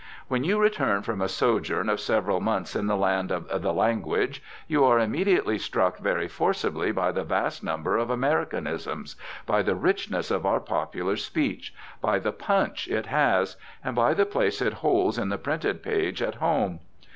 When you return from a sojourn of several months in the land of "the language" you are immediately struck very forcibly by the vast number of Americanisms, by the richness of our popular speech, by the "punch" it has, and by the place it holds in the printed page at home.